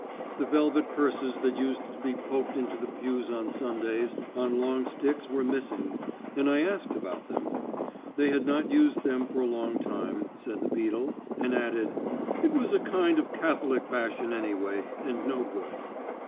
The velvet purses that used to be poked into the pews on Sundays on long sticks were missing, and I asked about them. They had not used them in a long time, said the beadle, and added, "It was a kind of Catholic fashion anyway, and no good."